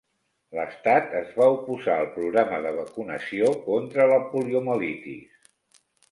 L'estat es va oposar al programa de vacunació contra la poliomielitis.